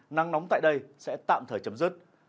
nắng nóng tại đây sẽ tạm thời chấm dứt